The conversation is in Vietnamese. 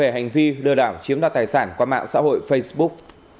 hành vi lừa đảo chiếm đặt tài sản qua mạng xã hội facebook